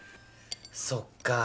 そっか！